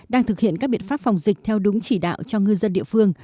đang thực hiện các biện pháp phòng dịch theo đúng chỉ đạo cho ngư dân địa phương